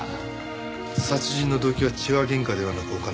殺人の動機は痴話喧嘩ではなくお金。